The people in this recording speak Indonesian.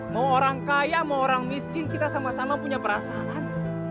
mau orang kaya mau orang miskin kita sama sama punya perasaan